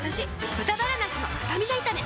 「豚バラなすのスタミナ炒め」